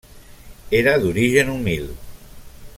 Era d'origen humil.